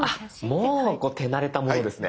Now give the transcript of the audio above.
あっもう手慣れたものですね。